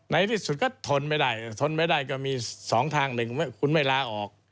ในที่สุดก็ทนไม่ได้ทนไม่ได้ก็มีสองทางหนึ่งคุณไม่ลาออก